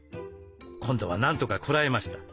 今度はなんとかこらえました。